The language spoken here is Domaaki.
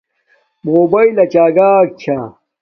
موباݵل اچاگاک چھا